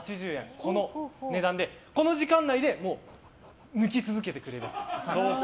この値段でこの時間内で抜き続けてくれます。